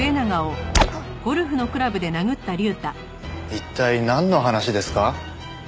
一体なんの話ですか？